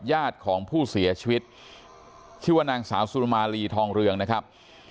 ญาติของผู้เสียชีวิตชื่อว่านางสาวสุรมาลีทองเรืองนะครับ